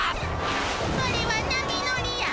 それは波乗りや。